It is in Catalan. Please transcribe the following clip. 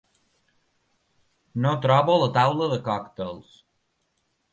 No trobo la taula de còctels.